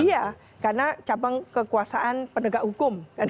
iya karena cabang kekuasaan penegak hukum